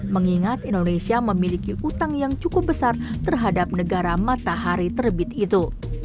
mengingat indonesia memiliki utang yang cukup besar terhadap negara matahari terbit itu